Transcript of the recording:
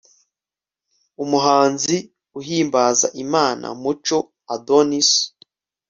umuhanzi uhimbaza imana muco adonis